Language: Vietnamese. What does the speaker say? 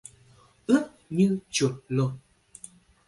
Ướt như chuột lột